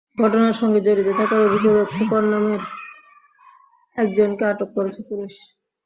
ঘটনার সঙ্গে জড়িত থাকার অভিযোগে খোকন নামের একজনকে আটক করেছে পুলিশ।